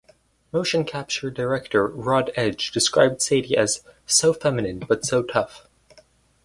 Motion capture director Rod Edge described Sadie as "so feminine but so tough".